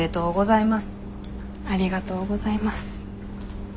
ありがとうございます。